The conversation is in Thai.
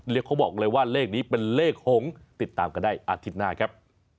เขาบอกเลยว่าเลขนี้เป็นเลขหงษ์ติดตามกันได้อาทิตย์หน้าครับ